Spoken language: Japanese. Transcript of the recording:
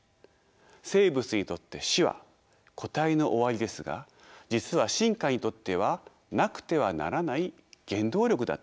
生物にとって死は個体の終わりですが実は進化にとってはなくてはならない原動力だったのです。